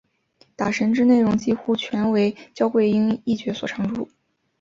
打神之内容几乎全为焦桂英一角所唱出。